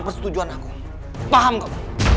persetujuan aku paham gak